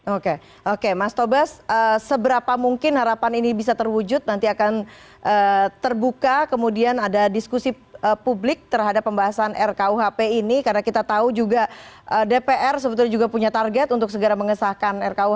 oke oke mas tobas seberapa mungkin harapan ini bisa terwujud nanti akan terbuka kemudian ada diskusi publik terhadap pembahasan rkuhp ini karena kita tahu juga dpr sebetulnya juga punya target untuk segera mengesahkan rkuhp